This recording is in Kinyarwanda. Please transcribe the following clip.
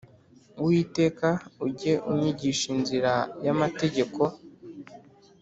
Uwiteka ujye unyigisha inzira y amategeko